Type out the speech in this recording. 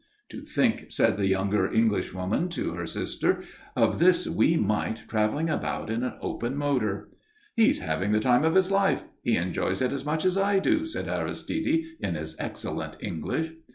_" "To think," said the younger Englishwoman to her sister, "of this wee mite travelling about in an open motor!" "He's having the time of his life. He enjoys it as much as I do," said Aristide, in his excellent English.